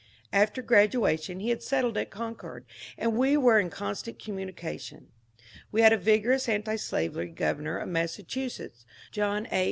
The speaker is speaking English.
After gradu ation he had settled at Concord, and we were in constant communication. We had a vigorous antislavery governor of Massachusetts, John A.